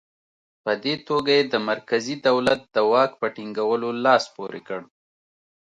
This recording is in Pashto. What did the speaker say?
په دې توګه یې د مرکزي دولت د واک په ټینګولو لاس پورې کړ.